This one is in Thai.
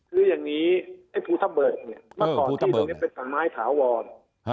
คืออย่างนี้ไอ้ภูทัปเบิกเนี่ยมาคอกดินที่นี่เป็นป่าม้ายถาวอล